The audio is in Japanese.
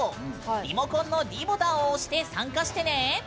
リモコンのｄボタンを押して参加してね。